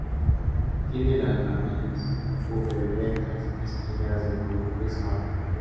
Tiene las ramillas puberulentas estrelladas de color gris-marrón.